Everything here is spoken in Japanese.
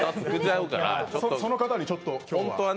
その方にちょっと今日は。